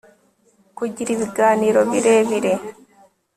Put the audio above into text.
kugira ibiganiro birebire